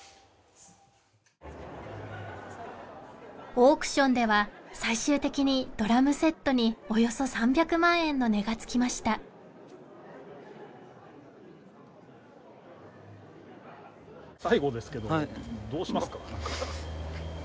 オークションでは最終的にドラムセットにおよそ３００万円の値が付きました最後ですけどどうしますか？